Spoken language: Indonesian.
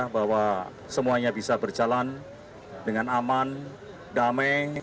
bahwa semuanya bisa berjalan dengan aman damai